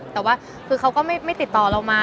แต่ว่าคือเขาก็ไม่ติดต่อเรามา